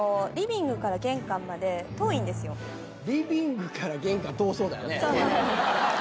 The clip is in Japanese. リビングから玄関遠そうだよね。